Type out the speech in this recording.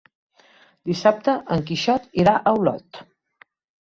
Dissabte en Quixot irà a Olot.